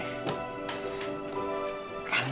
kalau anak diberi nafkah yang halal